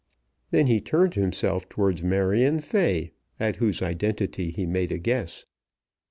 Then he turned himself towards Marion Fay, at whose identity he made a guess.